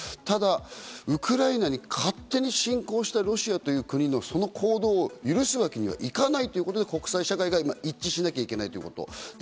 ただウクライナに勝手に侵攻したロシアという国のその行動を許すわけにはいかないということで国際社会が一致しなきゃいけないということ。